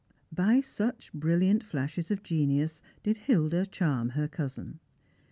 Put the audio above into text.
By such brilliant flashes of genius did Hilda charm her cousin.